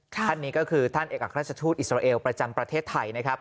ท่านนี้ก็คือท่านเอกอัครราชทูตอิสราเอลประจำประเทศไทยนะครับ